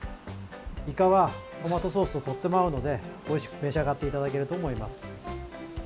イカはトマトソースととっても合うのでおいしく召し上がっていただけると思います。